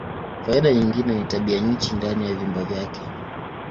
Faida nyingine ni tabianchi ndani ya vyumba vyake.